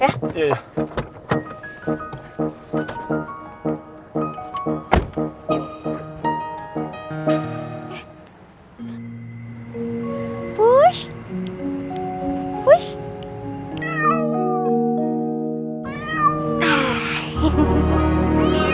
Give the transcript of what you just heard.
oleh itu kita bisa vinculasikan pada tim